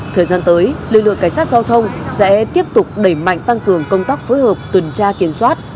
thời gian tới lực lượng cảnh sát giao thông sẽ tiếp tục đẩy mạnh tăng cường công tác phối hợp tuần tra kiểm soát